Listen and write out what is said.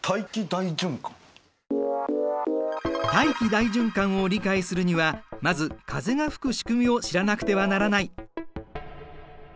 大気大循環を理解するにはまず風が吹く仕組みを知らなくてはならない。